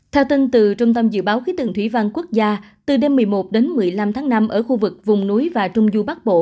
theo tin từ trung tâm dự báo khí tượng thủy văn quốc gia từ đêm một mươi một đến một mươi năm tháng năm ở khu vực vùng núi và trung du bắc bộ